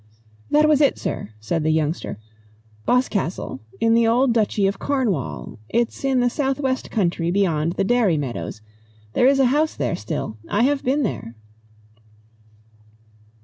"That was it, sir," said the youngster. "Boscastle, in the old Duchy of Cornwall it's in the south west country beyond the dairy meadows. There is a house there still. I have been there."